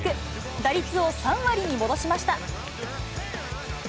打率を３割に戻しました。